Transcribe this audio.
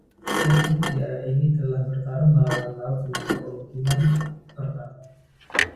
Penduduk di area ini telah bertarung melawan laut semenjak pemukiman pertama.